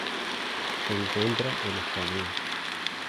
Se encuentra en Oceanía.